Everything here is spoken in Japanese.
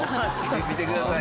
見てください。